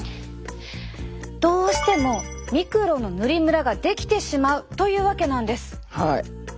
どうしてもミクロの塗りムラができてしまうというわけなんです。